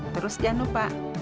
terus jangan lupa